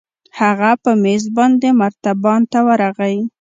هغه په مېز باندې مرتبان ته ورغى.